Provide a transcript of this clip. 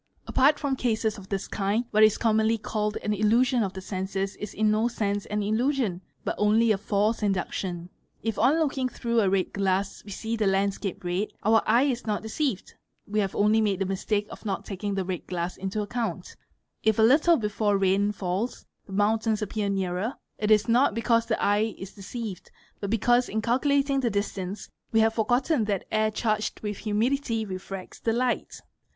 part aia cases of this kind, what is commonly called an "illusion of 'senses'? is in no sense an illusion but only a false induction. If B tooksing through a red glass we see the landscape red, our eye is not ceived; we have only made the mistake of not taking the red glass into ae bunt. If a little before rain falls, the mountains appear nearer, it is t because the eye is deceived but because in calculating the distance we ye forgotten that air charged with humidity refracts the light.